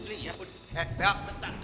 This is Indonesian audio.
eh teo bentar